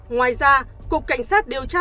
ngoài ra cục cảnh sát điều tra